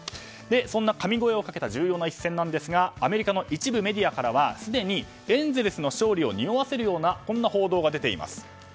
そんな神超えをかけた重要な一戦ですがアメリカの一部メディアからはすでにエンゼルスの勝利をにおわせるような報道が出ています。